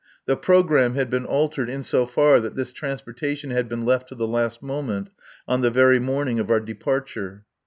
The programme had been altered in so far that this transportation had been left to the last moment, on the very morning of our departure.